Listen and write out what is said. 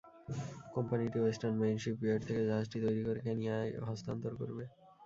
কোম্পানিটি Western Marine Shipyard থেকে জাহাজটি তৈরি করে কেনিয়ায় হস্তান্তর করবে।